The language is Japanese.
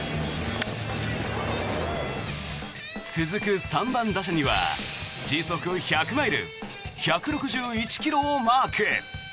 続く３番打者には時速１００マイル１６１ｋｍをマーク。